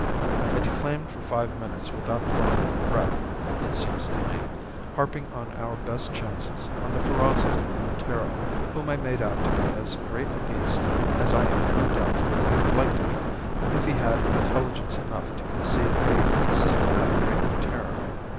"I declaimed for five minutes without drawing breath, it seems to me, harping on our best chances, on the ferocity of Montero, whom I made out to be as great a beast as I have no doubt he would like to be if he had intelligence enough to conceive a systematic reign of terror.